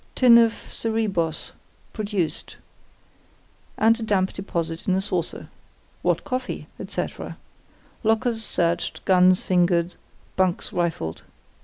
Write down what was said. Tin of Cerebos, produced, and a damp deposit in a saucer. What coffee? etc. Lockers searched, guns fingered, bunks rifled.